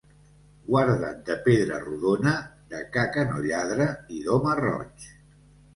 Guarda't de pedra rodona, de ca que no lladra i d'home roig.